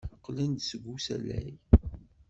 Qqlent-d seg usalay.